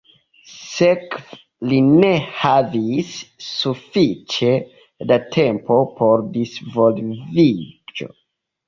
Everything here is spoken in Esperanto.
Sekve li ne havis sufiĉe da tempo por disvolviĝo.